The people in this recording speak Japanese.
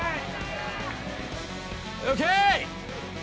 ・ＯＫ！